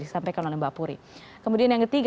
disampaikan oleh mbak puri kemudian yang ketiga